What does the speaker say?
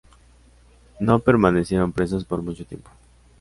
No permanecieron presos por mucho tiempo.